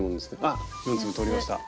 あっ４粒通りました。